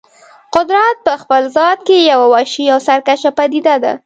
قدرت په خپل ذات کې یوه وحشي او سرکشه پدیده ده.